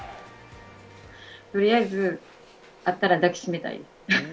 とりあえず会ったら抱き締めたい。